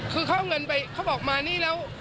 คือเขาเอาเงินไปเขาบอกมานี่แล้ว